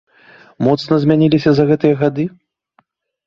Моцна змяніліся за гэтыя гады?